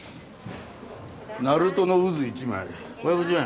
鳴門の渦１枚５１０円。